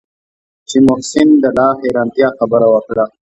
چې محسن د لا حيرانتيا خبره وکړه.